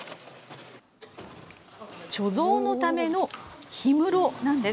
貯蔵のための氷室なんです。